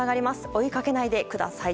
追いかけないでください。